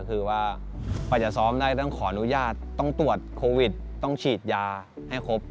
คือว่ากว่าจะซ้อมได้ต้องขออนุญาตต้องตรวจโควิดต้องฉีดยาให้ครบ